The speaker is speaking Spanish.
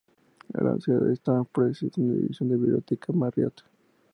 La Universidad de Utah Press es una división de la Biblioteca Marriott.